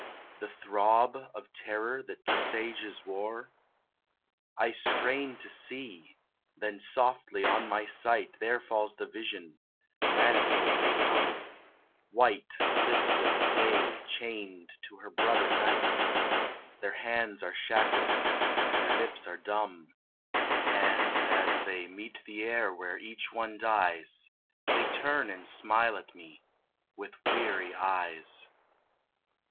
The throb of terror that presages war? I strain to see, then softly on my sight There falls the vision, manifold they come White listless Day chained to her brother Night Their hands are shackled and their lips are dumb, And as they meet the air where each one dies, They turn and smile at me with weary eyes.